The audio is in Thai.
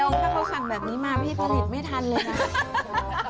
ถ้าเขาสั่งแบบนี้มาพี่ผลิตไม่ทันเลยนะ